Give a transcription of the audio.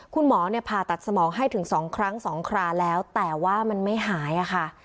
คุณหมอเนี่ยผ่าตัดสมองให้ถึง๒ครั้ง๒คราแล้วแต่ว่ามันไม่หายค่ะ